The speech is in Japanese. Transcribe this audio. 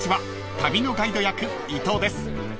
旅のガイド役伊藤です］